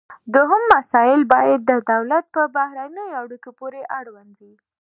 دوهم مسایل باید د دولت په بهرنیو اړیکو پورې اړوند وي